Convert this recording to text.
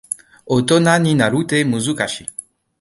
Otona ni Narutte Muzukashii!!!